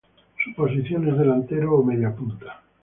Su posición es delantero o mediapunta.